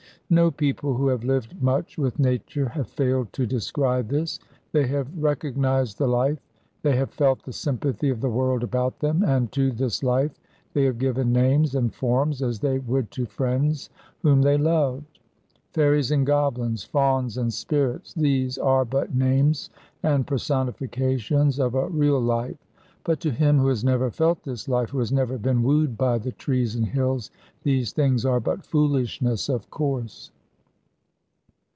No people who have lived much with Nature have failed to descry this. They have recognised the life, they have felt the sympathy of the world about them, and to this life they have given names and forms as they would to friends whom they loved. Fairies and goblins, fauns and spirits, these are but names and personifications of a real life. But to him who has never felt this life, who has never been wooed by the trees and hills, these things are but foolishness, of course.